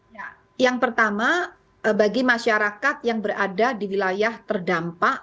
ya yang pertama bagi masyarakat yang berada di wilayah terdampak